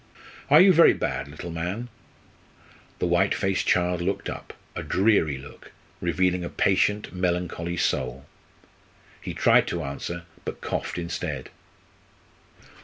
"Are you very bad, little man?" The white faced child looked up, a dreary look, revealing a patient, melancholy soul. He tried to answer, but coughed instead.